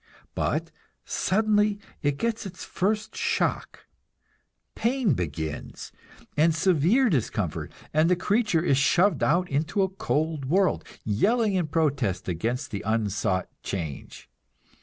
But suddenly it gets its first shock; pain begins, and severe discomfort, and the creature is shoved out into a cold world, yelling in protest against the unsought change.